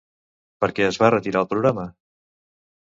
Per què es va retirar el programa?